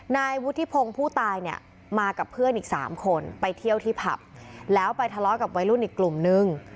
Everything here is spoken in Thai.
นายวุฒิพงศ์ผู้ตายเนี่ยมากับเพื่อนอีกสามคนไปเที่ยวที่ผับแล้วไปทะเลาะกับวัยรุ่นอีกกลุ่มนึง